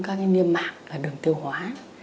các cái niêm mạc là đường tiêu hóa